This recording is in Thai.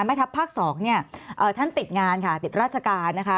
แม่ทัพภาค๒เนี่ยท่านติดงานค่ะติดราชการนะคะ